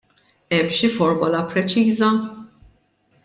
Hemm xi formola preċiża?